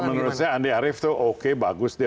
menurut saya andi arief tuh oke bagus